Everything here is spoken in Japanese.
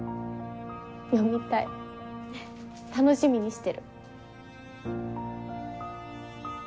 読みたい楽しみにしてる。